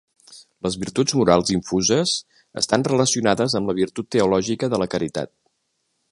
Les virtuts morals infuses estan relacionades amb la virtut teològica de la Caritat.